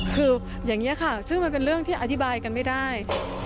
คืออย่างนี้ค่ะซึ่งมันเป็นเรื่องที่อธิบายกันไม่ได้